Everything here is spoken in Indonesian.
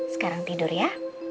sekarang tidur ya